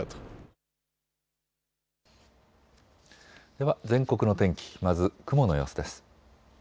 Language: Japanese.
では全国の天気、まず雲の様子です。